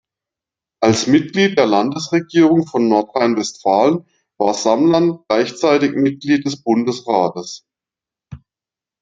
Als Mitglied der Landesregierung von Nordrhein-Westfalen war Samland gleichzeitig Mitglied des Bundesrates.